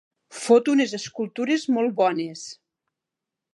Fot unes escultures molt bones.